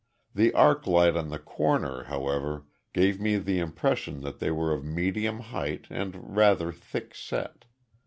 The arc light on the corner, however, gave me the impression that they were of medium height and rather thick set.